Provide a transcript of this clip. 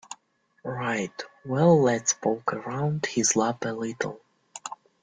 Right, well let's poke around his lab a little.